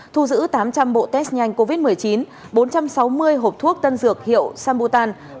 thu giữ tám trăm linh bộ test nhanh covid một mươi chín bốn trăm sáu mươi hộp thuốc tân dược hiệu samutan